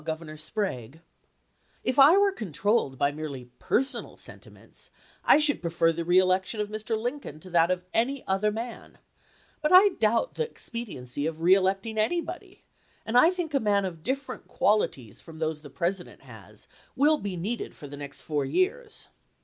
Governor Sprague :" If I were controlled by merely personal sentiments, I should prefer the reelection of Mr. Lincoln to that of any other man; but I doubt the expediency of reelecting anybody, and I think a man of different qualities from those the President has wiU be needed for the next fom chase to years."